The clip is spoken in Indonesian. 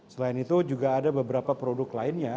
selain itu juga ada beberapa produk lainnya